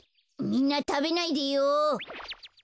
みんなたべないでよ。